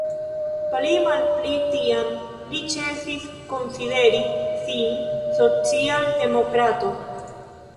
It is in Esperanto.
Pli malpli tiam li ĉesis konsideri sin social-demokrato.